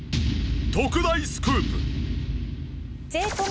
特大スクープ。